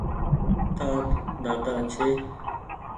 تآر ۮاۮا ڇي۔